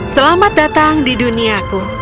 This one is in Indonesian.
selamat datang di duniaku